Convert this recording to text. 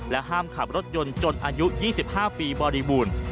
ห้ามขับรถยนต์จนอายุ๒๕ปีบริบูรณ์